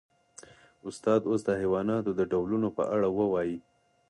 استاده اوس د حیواناتو د ډولونو په اړه ووایئ